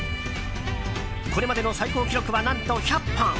これまでの最高記録は何と１００本。